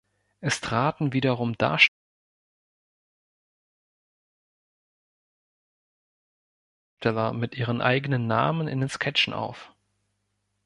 Es traten wiederum Darsteller mit ihren eigenen Namen in den Sketchen auf.